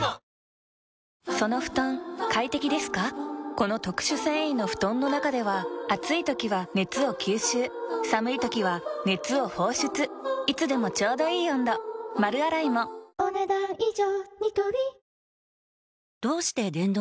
この特殊繊維の布団の中では暑い時は熱を吸収寒い時は熱を放出いつでもちょうどいい温度丸洗いもお、ねだん以上。